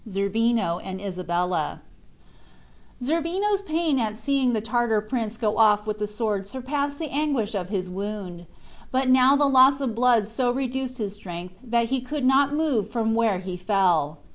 ZERBINO AND ISABELLA Zerbino's pain at seeing the Tartar prince go off with the sword surpassed the anguish of his wound; but now the loss of blood so reduced his strength that he could not move from where he fell.